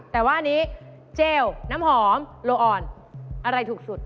แต่ว่าอันนี้เจลน้ำหอมโลออนอะไรถูกสุด